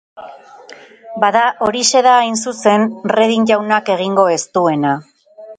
Bada, horixe da, hain zuzen, Redding jaunak egingo ez duena.